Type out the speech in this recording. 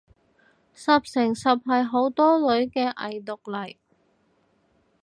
十成十係好多女嘅偽毒嚟